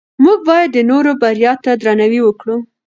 موږ باید د نورو بریا ته درناوی وکړو